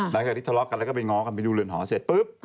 หลังจากที่ทะเลาะกันแล้วก็ไปง้อกันไปดูเรือนหอเสร็จปุ๊บ